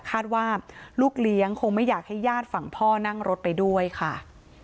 คาดว่าลูกเลี้ยงคงไม่อยากให้ญาติฝั่งพ่อนั่งรถไปด้วยค่ะ